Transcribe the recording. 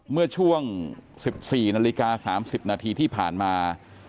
เมื่อช่วง๑๔นาฬิกา๓๐นาทีที่ผ่านมา